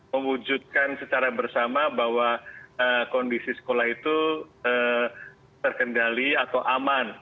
mewujudkan secara bersama bahwa kondisi sekolah itu terkendali atau aman